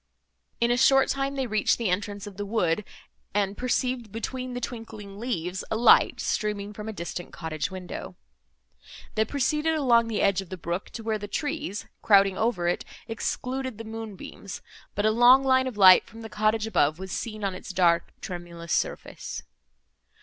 In a short time they reached the entrance of the wood, and perceived, between the twinkling leaves, a light, streaming from a distant cottage window. They proceeded along the edge of the brook to where the trees, crowding over it, excluded the moonbeams, but a long line of light, from the cottage above, was seen on its dark tremulous surface.